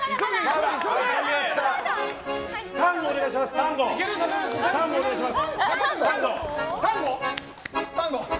タンゴお願いします。